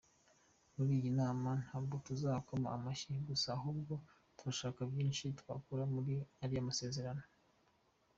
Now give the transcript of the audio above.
Muri iyi nama ntabwo tuzakoma amashyi gusa ahubwo turashaka byinshi twakura muri ariya masezerano”.